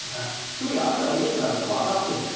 「文野あんたがいいやつなんて分かってんの」と。